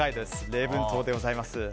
礼文島でございます。